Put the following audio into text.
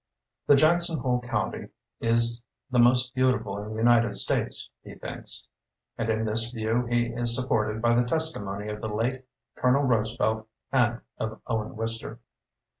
The Jackson Hole country is the most beautiful in the United States, he thinks. And in this view he is sup ported by the testimony of the late Colonel Roosevelt and of Owen Wister.